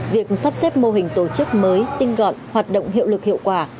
việc sắp xếp mô hình tổ chức mới tinh gọn hoạt động hiệu lực hiệu quả